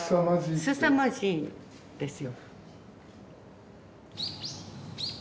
すさまじいですよ。